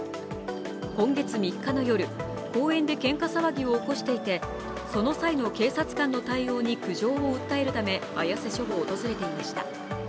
今月３日の夜、公園でけんか騒ぎを起こしていてその際の警察官の対応に苦情を訴えるため綾瀬署を訪れていました。